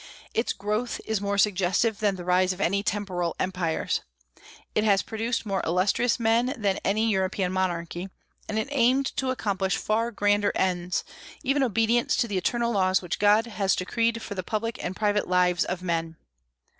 Its growth is more suggestive than the rise of any temporal empires. It has produced more illustrious men than any European monarchy. And it aimed to accomplish far grander ends, even obedience to the eternal laws which God has decreed for the public and private lives of men.